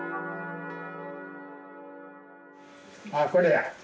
ああこれや。